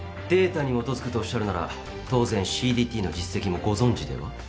データに基づくとおっしゃるなら当然ＣＤＴの実績もご存じでは？